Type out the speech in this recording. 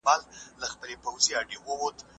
مظلوم ته خپل حق ورکول عدالت دی.